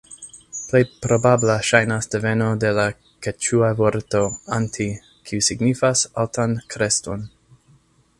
Plej probabla ŝajnas deveno de la keĉua vorto "anti", kiu signifas altan kreston.